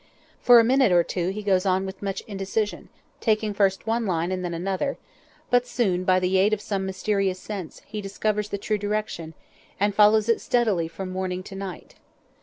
For a minute or two he goes on with much indecision, taking first one line and then another, but soon by the aid of some mysterious sense he discovers the true direction, and follows it steadily from morning to night.